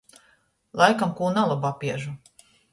Laikam kū nalobu apiežu.